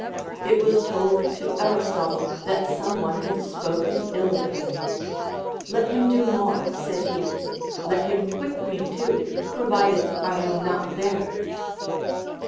It was told to Aristotle that some one had spoken ill of him: "Let him do more," said he; "let him whip me too, provided I am not there."